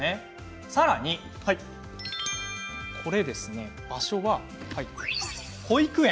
さらに、こちらの場所は保育園。